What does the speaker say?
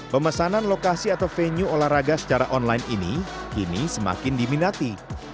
pemesanan lokasi atau venue olahraga secara online ini kini semakin diminati